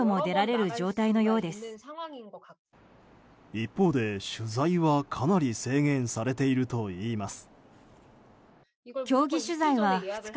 一方で、取材はかなり制限されているといいます。